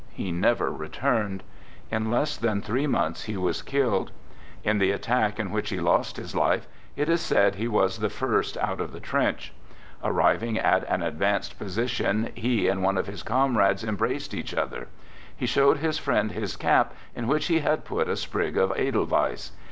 He never returned. In less than three months he was killed. In the attack in which he lost his life, it is said he was the first out of the trench. Arriving at an advanced posi tion, he and one of his comrades embraced each other. He showed his friend his cap in which he had put a sprig of edelweiss.